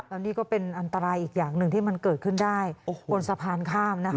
แล้วนี่ก็เป็นอันตรายอีกอย่างหนึ่งที่มันเกิดขึ้นได้บนสะพานข้ามนะคะ